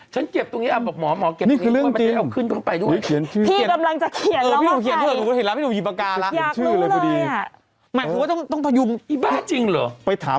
ฉันเก็บตรงนี้บอกหมอ